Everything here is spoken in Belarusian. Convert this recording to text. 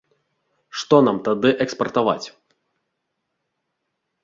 Што нам тады экспартаваць?!